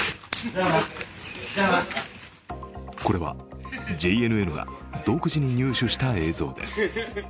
これは、ＪＮＮが独自に入手した映像です。